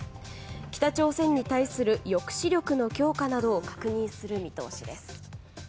北朝鮮に対する抑止力の強化などを確認する見通しです。